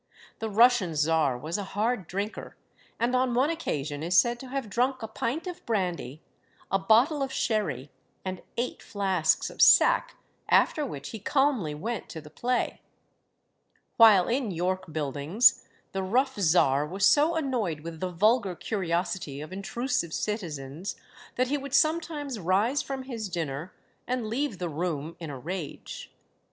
The Russian czar was a hard drinker, and on one occasion is said to have drunk a pint of brandy, a bottle of sherry, and eight flasks of sack, after which he calmly went to the play. While in York Buildings, the rough czar was so annoyed with the vulgar curiosity of intrusive citizens, that he would sometimes rise from his dinner and leave the room in a rage.